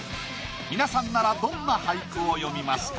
皆さんならどんな俳句を詠みますか？